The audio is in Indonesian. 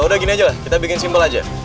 udah gini aja lah kita bikin simpel aja